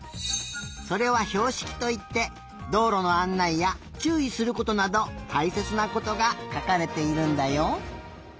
それはひょうしきといってどうろのあんないやちゅういすることなどたいせつなことがかかれているんだよ。